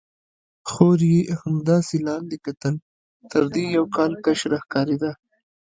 خور یې همداسې لاندې کتل، تر دې یو کال کشره ښکارېده.